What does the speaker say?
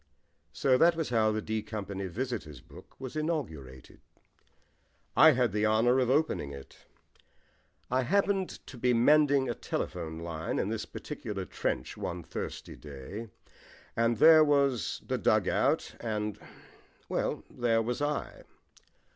So that was how the D Company Visitors' Book was inaugurated. I had the honour of opening it. I happened to be mending a telephone line in this particular trench one thirsty day, and there was the dug out, and well, there was I.